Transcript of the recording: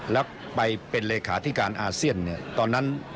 และไปเป็นลูกค่าที่การอาเซียน